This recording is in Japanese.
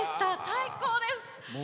最高です！